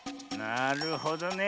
なるほどね。